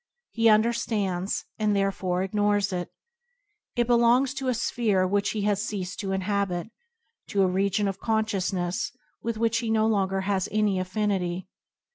He understands, and there fore ignores it. It belongs to a sphere which he has ceased to inhabit, to a region of con sciousness with which he has no longer any affinity.